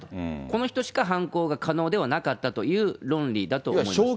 この人しか犯行が可能ではなかったという論理だと思います。